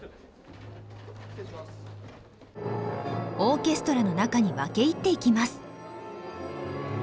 オーケストラの中に分け入っていきます。